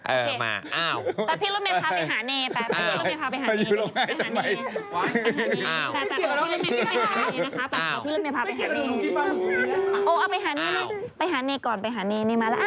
เอามา